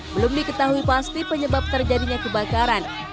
belum diketahui pasti penyebab terjadinya kebakaran